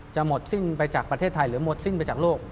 หมดสิ้นไปจากประเทศไทยหรือหมดสิ้นไปจากโลก